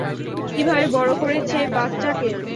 কীভাবে বড় করেছে বাচ্চাকে!